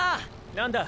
何だ？